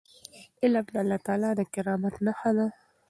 علم د الله تعالی د کرامت نښه ده.